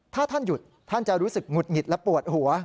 ถ้าท่านหยุดท่านจะรู้สึกหงุดหงิดและปวดหัว